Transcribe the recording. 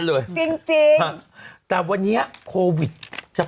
เฮ้ยคุณมดดั้มบอกว่ามจริง